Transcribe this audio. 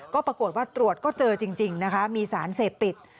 ก็ปรากฏว่าตรวจก็เจอจริงนะคะมีสารเสพติด